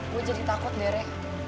gue jadi takut deh re